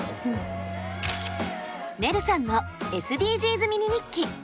ねるさんのＳＤＧｓミニ日記。